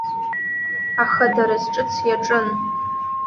Аха дара зҿыц иаҿын.